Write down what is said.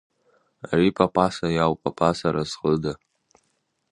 Ари Папаса иауп, Папаса аразҟыда!